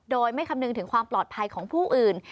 โดยไม่คำนึงถึงความปลอดภัยของผู้อื่น